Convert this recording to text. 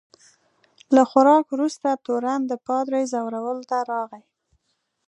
له خوراک وروسته تورن د پادري ځورولو ته راغی.